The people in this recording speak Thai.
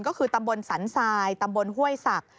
ก็คือตำบลสันทรายตำบลห้วยศักดิ